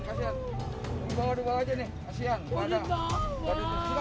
dibawa dua dua aja nih kasian